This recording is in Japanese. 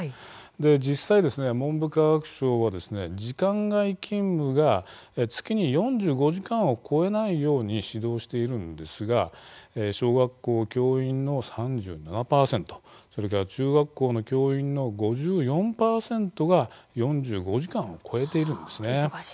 実際、文部科学省は時間外勤務が月に４５時間を超えないように指導しているんですが小学校教員の３７％それから中学校の教員の５４％が４５時間を超えているんです。